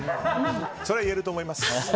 それはいえると思いますよ。